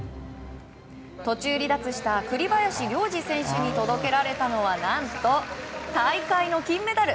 途中離脱した栗林良吏選手に届けられたのは何と大会の金メダル。